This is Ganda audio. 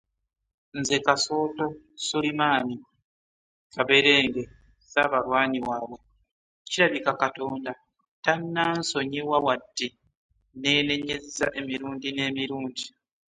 Nze Kasooto Sulemaani Kaberenge Ssaabalwanyi waabwe kirabika Katonda tannansonyiwa wadde nneenenyezza emirundi n'emirundi!